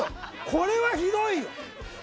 これはひどいよ。